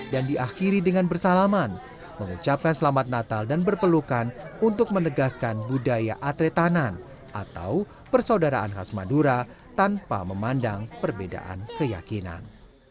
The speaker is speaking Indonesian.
dan diakhiri dengan bersalaman mengucapkan selamat natal dan berpelukan untuk menegaskan budaya atletanan atau persaudaraan khas madura tanpa memandang perbedaan keyakinan